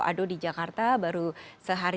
aduh di jakarta baru sehari